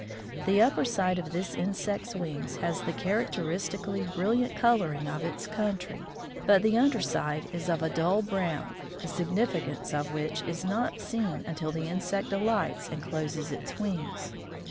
The upper side of this insect's wings has the characteristically brilliant coloring of its country, but the under side is of a dull brown, the significance of which is not seen until the insect alights and closes its wings.